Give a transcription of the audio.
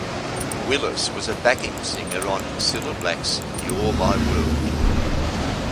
Willis was a backing singer on Cilla Black's You're My World.